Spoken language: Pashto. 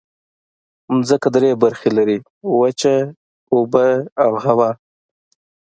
ځمکه درې برخې لري: وچې، اوبه او هوا.